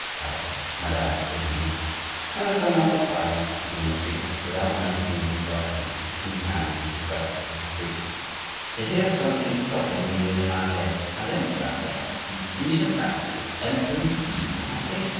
cried Madame de Genlis. "I was somewhat surprised," went on the speaker, without noticing the interruption, and sticking his hands into the gussets of his breeches, "to hear something talking to me within that leg. I then found I had the singular faculty of entering the being of my patient.